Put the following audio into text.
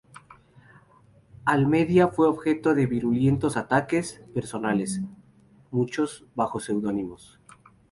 Almeida fue objeto de virulentos ataques personales, muchos bajo seudónimos.